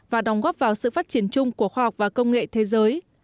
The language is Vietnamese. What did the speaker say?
và có sự phát triển chung của khoa học và công nghệ thế giới